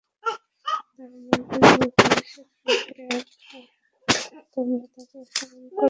তা তোমাদের মজলিসে থাকবে আর তোমরা তাকে স্মরণ করবে।